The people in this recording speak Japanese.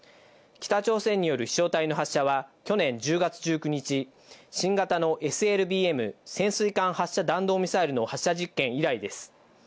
北朝鮮による飛翔体の発射は去年１０月１９日、新型のＳＬＢＭ＝潜水艦発射弾道ミサイルの発射実験以来です。